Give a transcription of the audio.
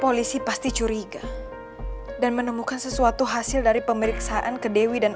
polisi pasti curiga dan menemukan sesuatu hasil dari pemeriksaan ke dewi dan